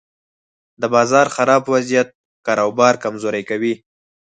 د بازار خراب وضعیت کاروبار کمزوری کوي.